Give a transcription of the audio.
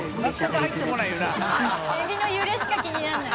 エビの揺れしか気にならない。